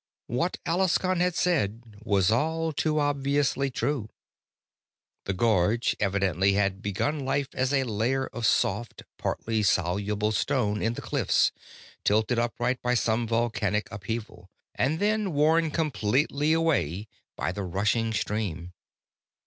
What Alaskon had said was all too obviously true. The gorge evidently had begun life as a layer of soft, partly soluble stone in the cliffs, tilted upright by some volcanic upheaval, and then worn completely away by the rushing stream.